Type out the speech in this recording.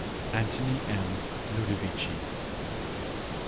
ANTHONY M. LUDOVICI.